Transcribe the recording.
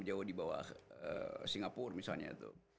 jauh di bawah singapura misalnya itu